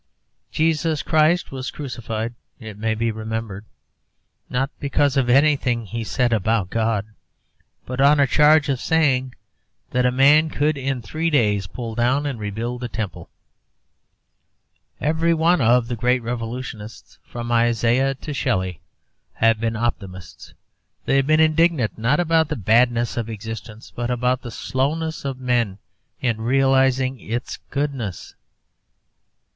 Jesus Christ was crucified, it may be remembered, not because of anything he said about God, but on a charge of saying that a man could in three days pull down and rebuild the Temple. Every one of the great revolutionists, from Isaiah to Shelley, have been optimists. They have been indignant, not about the badness of existence, but about the slowness of men in realizing its goodness.